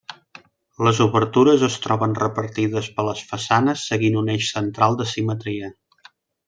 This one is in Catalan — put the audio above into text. Les obertures es troben repartides per les façanes seguint un eix central de simetria.